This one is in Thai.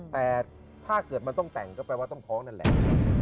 แต่ถ้าเกิดมันต้องแต่งก็แปลว่าต้องท้องนั่นแหละ